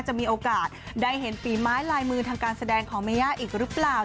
จะมีโอกาสได้เห็นฝีไม้ลายมือทางการแสดงของเมย่าอีกหรือเปล่า